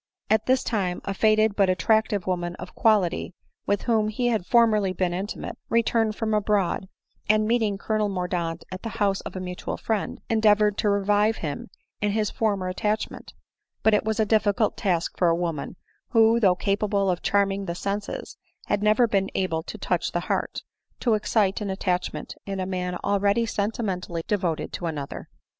At this time a faded but attractive woman of quality, with whom be had formerly been intimate, returned from abroad, and meeting Colonel Mordaunt at the house of a mutual friend, endeavored to revive in him his former attachment ; but it was a difficult task for a woman, who, though capable of charming the senses, had never been able to touch the heart, to excite an attachment in a man already sentimentally devoted to another.